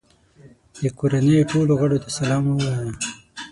د کورنۍ ټولو غړو ته سلام ووایه.